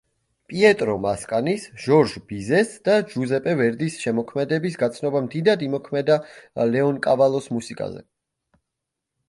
პიეტრო მასკანის, ჟორჟ ბიზეს და ჯუზეპე ვერდის შემოქმედების გაცნობამ დიდად იმოქმედა ლეონკავალოს მუსიკაზე.